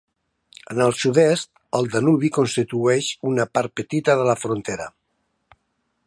En el sud-est, el Danubi constitueix una part petita de la frontera.